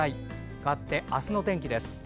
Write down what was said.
かわって明日の天気です。